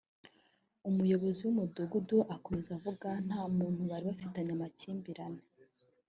umuyobozi w’umudugudu akomeza avuga nta muntu bari bafitanye amakimbirane